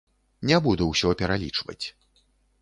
Не буду ўсё пералічваць.